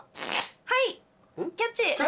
はいキャッチ。